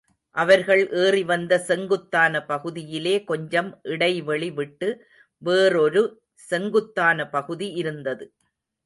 அவர்கள் ஏறிவந்த செங்குத்தான பகுதியிலே கொஞ்சம் இடைவெளி விட்டு வேறொரு செங்குத்தான பகுதி இருந்தது.